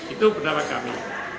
itu pendapat kami